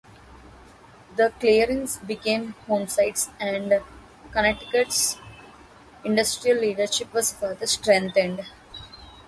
The clearings became homesites, and Connecticut's industrial leadership was further strengthened.